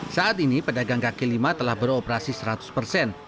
saat ini pedagang kaki lima telah beroperasi seratus persen